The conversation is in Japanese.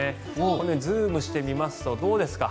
このようにズームしてみますとどうですか。